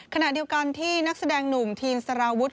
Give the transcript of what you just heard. ขณะเดียวกันที่นักแสดงหนุ่มทีมสารวุฒิ